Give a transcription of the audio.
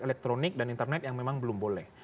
elektronik dan internet yang memang belum boleh